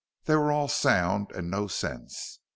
They were all sound and no sense.